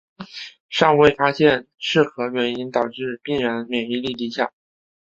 尚未发现是何原因导致病人免疫力低下。